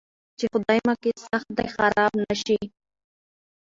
چې خدايه مکې صحت دې خراب نه شي.